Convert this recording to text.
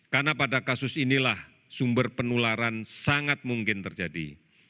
karena pada kasus inilah sumber penularan sangat mungkin terjadi